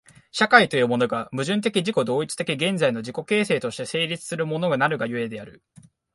社会というものが、矛盾的自己同一的現在の自己形成として成立するものなるが故である。